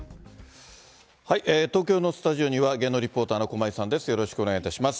東京のスタジオには、芸能リポーターの駒井さんです、よろしくお願いします。